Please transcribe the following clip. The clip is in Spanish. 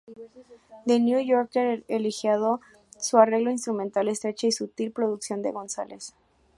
The "New Yorker" elogiado su arreglo instrumental estrecha y sutil producción de Gonzales.